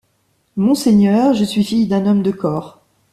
Monseigneur, ie suis fille d’ung homme de corps.